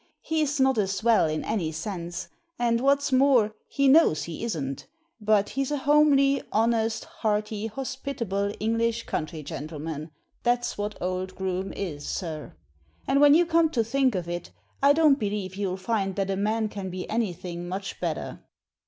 He's not a swell in any sense, and, what's more, he knows he isn't ; but he's a homely, honest, hearty, hospitable English country gentleman, that's what old Groome is, sir. And when you come to think of it, I don't believe you'll find that a man can be anything much better."